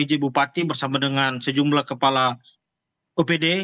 dan di pulau siaw juga bertolak dari sejumlah kepala bpbd